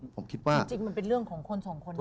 จริงมันเป็นเรื่องของคนสองคนนะครับ